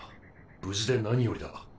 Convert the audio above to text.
無事で何よりだ。